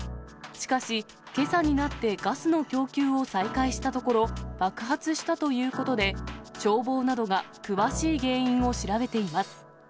しかし、けさになってガスの供給を再開したところ、爆発したということで、消防などが詳しい原因を調べています。